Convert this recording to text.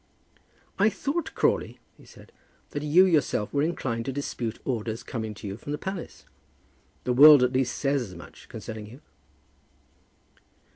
"I thought, Crawley," he said, "that you yourself were inclined to dispute orders coming to you from the palace. The world at least says as much concerning you."